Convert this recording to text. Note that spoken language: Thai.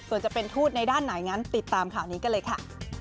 ส่วนจะเป็นทูตในด้านไหนงั้นติดตามข่าวนี้กันเลยค่ะ